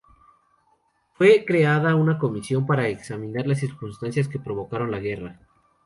Fue creada una comisión para examinar las circunstancias que provocaron la guerra.